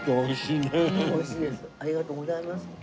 ありがとうございます。